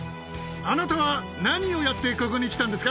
あなたは何をやってここに来たんですか。